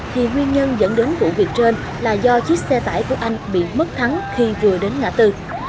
thì nguyên nhân dẫn đến vụ việc trên là do chiếc xe tải của anh bị mất thắng khi vừa đến ngã tư